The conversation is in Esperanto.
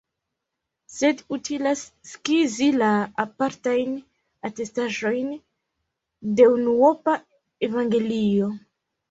Sed utilas skizi la apartajn atestaĵojn de unuopa evangelio.